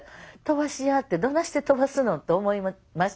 「飛ばしや」ってどないして飛ばすのって思いましたよ。